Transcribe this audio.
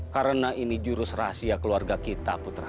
karena ini jurus rahasia keluarga kita putra